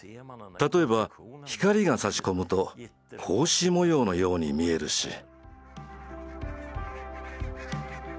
例えば光がさし込むと格子模様のように見えるし。